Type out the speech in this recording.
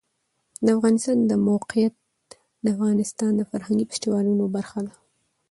د افغانستان د موقعیت د افغانستان د فرهنګي فستیوالونو برخه ده.